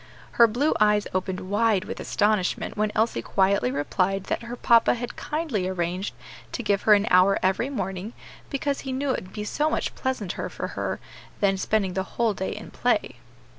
Her blue eyes opened wide with astonishment when Elsie quietly replied that her papa had kindly arranged to give her an hour every morning, because he knew it would be so much pleasanter for her than spending the whole day in play.